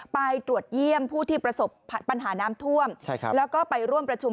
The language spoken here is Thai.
ไปตรวจเยี่ยมผู้ที่ประสบปัญหาน้ำท่วมแล้วก็ไปร่วมประชุม